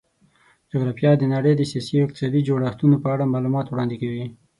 جغرافیه د نړۍ د سیاسي او اقتصادي جوړښتونو په اړه معلومات وړاندې کوي.